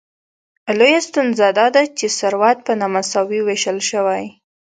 لویه ستونزه داده چې ثروت په نامساوي ویشل شوی.